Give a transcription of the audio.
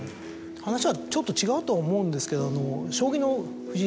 話はちょっと違うとは思うんですけど。